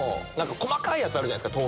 細かいやつあるじゃないですか